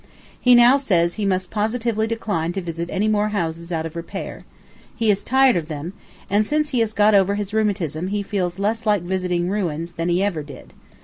He now says he must positively decline to visit any more houses out of repair. He is tired of them; and since he has got over his rheumatism he feels less like visiting ruins than he ever did.